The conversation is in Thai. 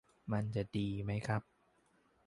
มันจะดีไหมครับ